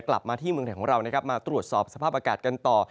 กลับมาที่เมืองไทยของเรานะครับมาตรวจสอบสภาพอากาศกันต่อ